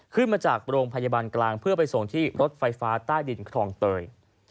ขึ้นมาจากโรงพยาบาลกลางเพื่อไปส่งที่รถไฟฟ้าใต้ดินคลองเตย